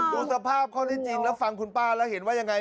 ดูสภาพข้อที่จริงแล้วฟังคุณป้าแล้วเห็นว่ายังไง